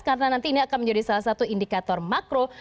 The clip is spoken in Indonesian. karena nanti ini akan menjadi salah satu indikator makro